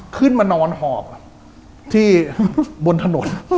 ขึ้นมานอนหอบที่บนถนน